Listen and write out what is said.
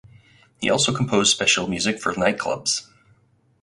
He also composed special music for nightclubs.